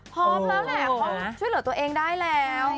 พร้อมแล้วแหละเพราะช่วยเหลือตัวเองได้แล้ว